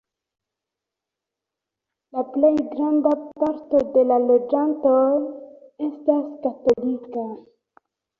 La plej granda parto de la loĝantoj estas katolika.